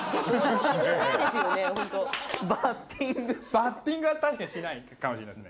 バッティングは確かにしないかもしれないですね。